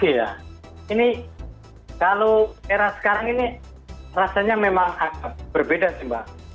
iya ini kalau era sekarang ini rasanya memang agak berbeda sih mbak